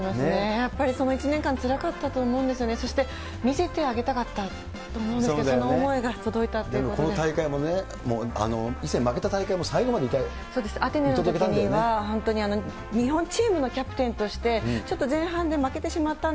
やっぱりその１年間つらかったとおもうんですよね、そして見せてあげたかったと思うんですけれども、その思いが届いたっていうここの大会もね、アテネのときには本当に日本チームのキャプテンとして、ちょっと前半で負けてしまったん